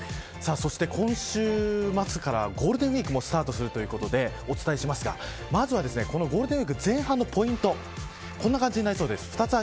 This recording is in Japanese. そして今週末からゴールデンウイークもスタートするということでお伝えしますがまずはゴールデンウイーク前半のポイントこんな感じになりそうです。